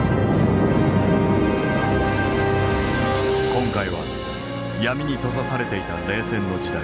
今回は闇に閉ざされていた冷戦の時代。